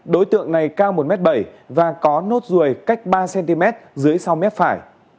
đối tượng này cao một m bảy và có nốt ruồi cách ba cm dưới sau mép phải